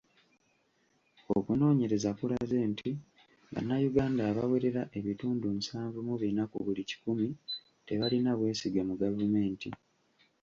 Okunoonyereza kulaze nti Bannayuganda abawerera ebitundu nsanvu mu bina ku buli kikumi tebalina bwesige mu gavumenti.